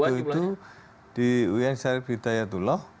ya waktu itu di uin syarif ibtiayatullah